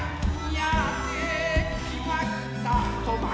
「やってきました苫小牧」